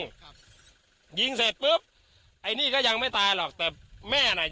ครับยิงเสร็จปุ๊บไอ้นี่ก็ยังไม่ตายหรอกแต่แม่น่ะ